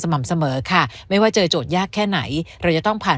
่ำเสมอค่ะไม่ว่าเจอโจทย์ยากแค่ไหนเราจะต้องผ่าน